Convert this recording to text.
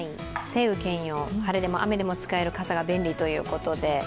晴雨兼用、晴れでも雨でも使える傘が便利ということで。